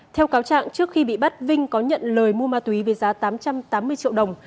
theo cáo trạng trước khi bị bắt vinh có nhận lời mua ma túy với giá tám trăm tám mươi triệu đồng